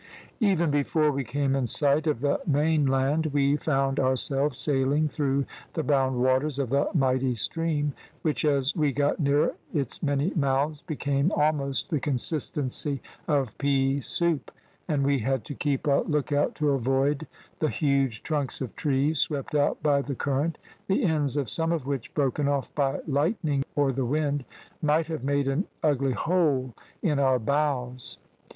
"Even before we came in sight of the mainland, we found ourselves sailing through the brown waters of the mighty stream, which as we got nearer its many mouths, became almost the consistency of pea soup, and we had to keep a lookout to avoid the huge trunks of trees swept out by the current, the ends of some of which, broken off by lightning or the wind, might have made an ugly hole in our bows.